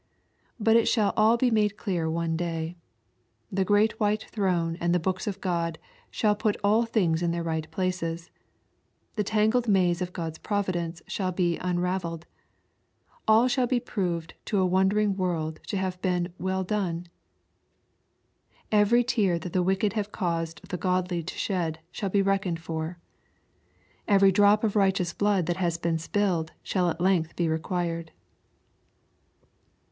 But it shall all be made clear one day. The great white throne and the books of Qod shall put all things in their right places. The tangled maze of God's providence shall be unrav elled. All shall be proved to a wondering world to have been " well done." Every tear that the wicked have caused the godly to shed shall be reckoned for. Every drop of righteous blood that has been spilled shall at length be required.